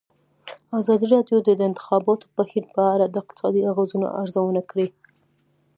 ازادي راډیو د د انتخاباتو بهیر په اړه د اقتصادي اغېزو ارزونه کړې.